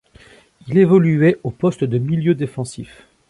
Il évoluait au poste de milieu défensif.